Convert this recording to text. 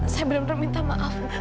saya benar benar minta maaf